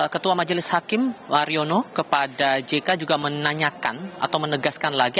ketua majelis hakim wariono kepada jk juga menanyakan atau menegaskan lagi